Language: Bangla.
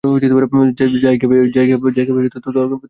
জায়গা পেয়েই তরবারি কাজ শুরু করে।